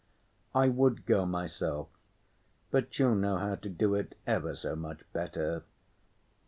I would go myself, but you'll know how to do it ever so much better.